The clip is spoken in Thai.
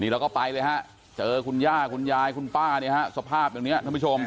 เราก็ไปเลยฮะเจอคุณย่าคุณยายคุณป้าเนี่ยฮะสภาพอย่างนี้ท่านผู้ชม